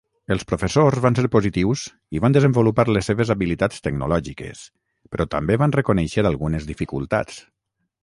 Els professors van ser positius i van desenvolupar les seves habilitats tecnològiques, però també van reconèixer algunes dificultats.